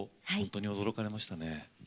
本当に驚かれましたね。